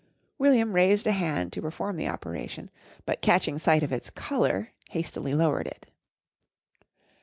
William raised a hand to perform the operation, but catching sight of its colour, hastily lowered it.